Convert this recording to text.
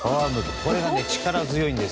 これが力強いんです。